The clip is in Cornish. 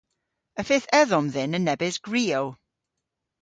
Y fydh edhom dhyn a nebes gwriow.